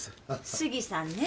杉さんね